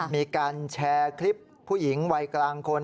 มีการแชร์คลิปผู้หญิงวัยกลางคน